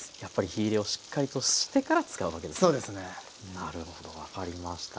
なるほど分かりました。